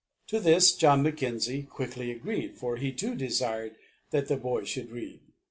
To this John Mackenzie quickly agreed, for he too desired that the boy should read.